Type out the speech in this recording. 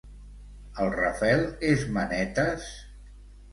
El Rafel és manetes?